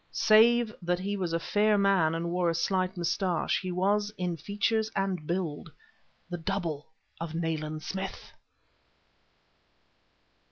Save that he was a fair man and wore a slight mustache, he was, in features and build, the double of Nayland Smith!